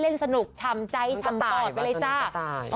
เล่นสนุกชำใจชำตอบเลยจ้ะ